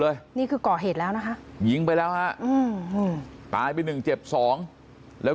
เลยนี่คือก่อเหตุแล้วนะคะยิงไปแล้วฮะตายไป๑เจ็บ๒แล้ว